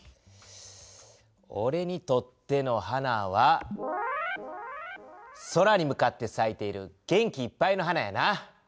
おれにとっての花は空に向かってさいている元気いっぱいの花やな。